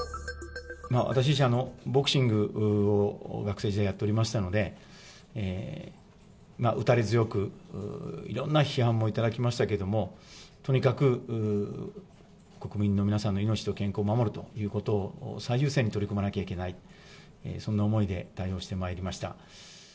私自身、ボクシングを学生時代やっておりましたので、打たれ強く、いろんな批判も頂きましたけども、とにかく国民の皆様の命と健康を守るということを最優先に取り組まなければいけない、そんな思いで対応してまいりました。